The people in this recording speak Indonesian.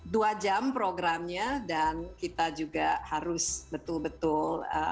dua jam programnya dan kita juga harus betul betul